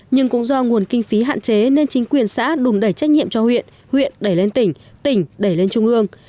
nhưng cũng do nguồn kinh phí hạn chế nên chính quyền xã đùng đẩy trách nhiệm cho huyện huyện để lên tỉnh tỉnh đẩy lên trung ương